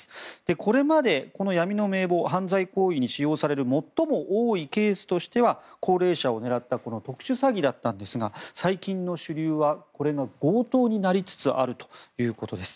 これまで、この闇の名簿犯罪行為に使用される最も多いケースとしては高齢者を狙った特殊詐欺だったんですが最近の主流は、これが強盗になりつつあるということです。